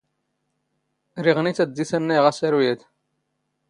ⵔⵉⵖ ⵏⵉⵜ ⴰⴷ ⴷⵉⵙ ⴰⵏⵏⴰⵢⵖ ⴰⵙⴰⵔⵓ ⴰⴷ.